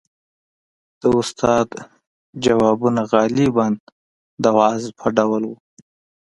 • د استاد ځوابونه غالباً د وعظ په ډول وو.